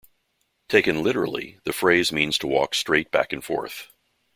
Taken literally, the phrase means to walk straight back and forth.